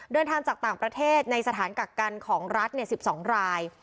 เดินทางจากต่างประเทศในสถานกักกันของรัฐ๑๒ราย